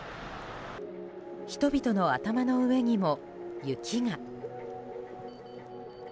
人々の頭の上にも雪が。